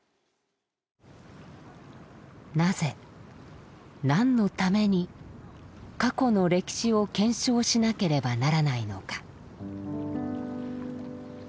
なぜ何のために過去の歴史を検証しなければならないのか。